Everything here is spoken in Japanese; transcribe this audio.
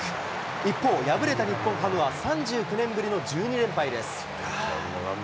一方、敗れた日本ハムは３９年ぶりの１２連敗です。